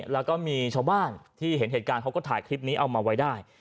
แล้วก็มีชาวบ้านที่เห็นเหตุการณ์เขาก็ถ่ายคลิปนี้เอามาไว้ได้